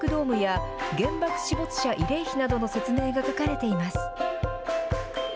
原爆ドームや原爆死没者慰霊碑などの説明が書かれています。